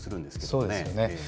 そうですよね。